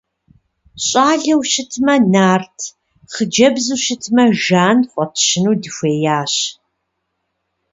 Щӏалэу щытмэ Нарт, хъыджэбзу щытмэ Жан фӏэтщыну дыхуеящ.